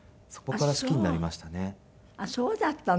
あっそうだったの。